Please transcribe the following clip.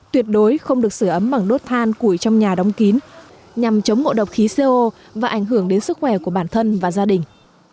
tuyệt đối không được sửa ấm bằng đốt than củi trong nhà đóng kín nhằm chống mộ độc khí co và ảnh hưởng đến sức khỏe của bản thân và gia đình